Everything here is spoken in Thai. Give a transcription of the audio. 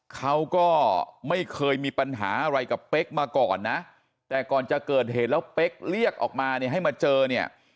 เขาก็ไม่เคยมีปัญหาอะไรกับเป๊กมาก่อนนะแต่ก่อนจะเกิดเหตุแล้วเป๊กเรียกออกมาเนี่ยให้มาเจอเนี่ย